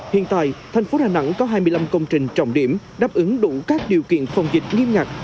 hiện tại thành phố đà nẵng có hai mươi năm công trình trọng điểm đáp ứng đủ các điều kiện phòng dịch nghiêm ngặt